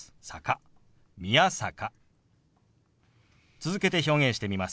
続けて表現してみます。